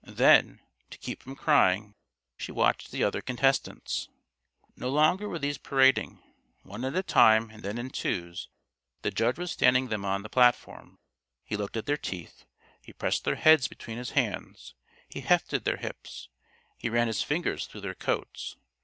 Then, to keep from crying, she watched the other contestants. No longer were these parading. One at a time and then in twos, the judge was standing them on the platform. He looked at their teeth. He pressed their heads between his hands. He "hefted" their hips. He ran his fingers through their coats.